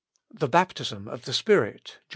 The baptism of the Spirit (xiv.